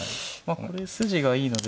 これ筋がいいので。